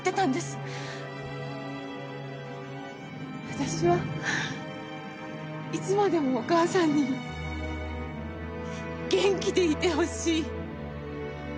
私はいつまでもお義母さんに元気でいてほしい。